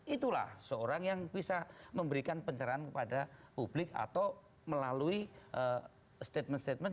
itulah seorang yang bisa memberikan pencerahan kepada publik atau melalui statement statement